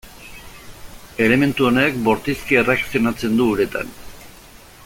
Elementu honek bortizki erreakzionatzen du uretan.